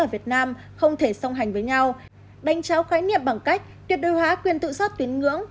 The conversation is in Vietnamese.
ở việt nam không thể song hành với nhau đánh cháo khái niệm bằng cách tuyệt đối hóa quyền tự do tín ngưỡng